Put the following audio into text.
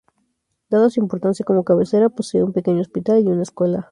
Dada su importancia como cabecera, posee un pequeño hospital y una escuela.